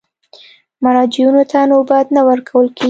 مراجعینو ته نوبت نه ورکول کېږي.